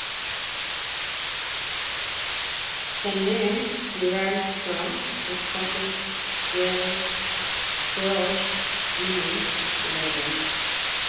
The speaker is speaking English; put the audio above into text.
The name derives from the Scottish Gaelic, "fraoch", meaning heather.